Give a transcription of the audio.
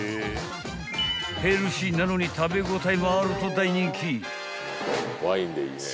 ［ヘルシーなのに食べ応えもあると大人気］